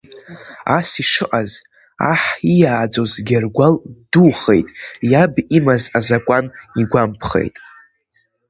Ас ишыҟаз, аҳ ииааӡоз Гьаргәал ддухеит, иаб имаз азакәан игәамԥхеит…